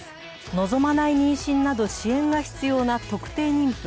望まない妊娠など支援が必要な特定妊婦。